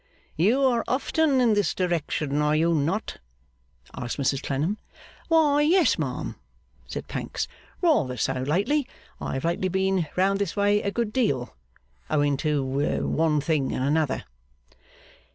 'You are often in this direction, are you not?' asked Mrs Clennam. 'Why, yes, ma'am,' said Pancks, 'rather so lately; I have lately been round this way a good deal, owing to one thing and another.